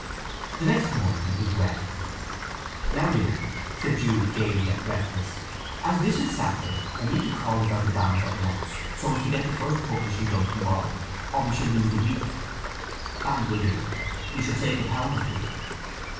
The next morning it was wet. "Now, dear," said Jude gaily at breakfast; "as this is Saturday I mean to call about the banns at once, so as to get the first publishing done to morrow, or we shall lose a week. Banns will do? We shall save a pound or two."